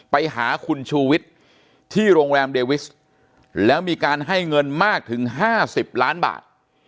ไปหาคุณชูวิทย์ที่โรงแรมเดวิสแล้วมีการให้เงินมากถึง๕๐ล้านบาท